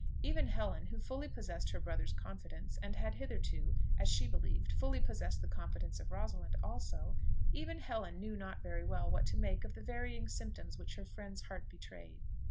Even Helen, who fully possessed her brother's confidence, and had hitherto, as she believed, fully possessed the confidence of Rosalind also, even Helen knew not very well what to make of the varying symptoms which her friend's heart betrayed.